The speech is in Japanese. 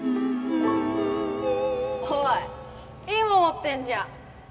おいいいもんもってんじゃん！